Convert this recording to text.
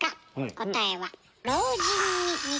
答えは。